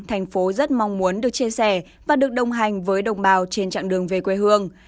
thành phố rất mong muốn được chia sẻ và được đồng hành với đồng bào trên trạng đường về quê hương